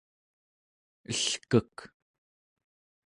elkek